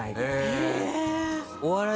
へえ！